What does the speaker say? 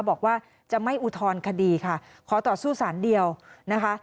บอกว่าจะไม่อุทธรณคดีค่ะขอต่อสู้สารเดียวนะคะ